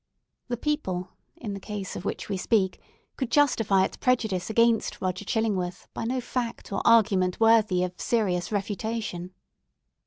The people, in the case of which we speak, could justify its prejudice against Roger Chillingworth by no fact or argument worthy of serious refutation.